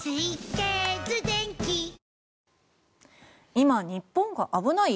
今、日本が危ない？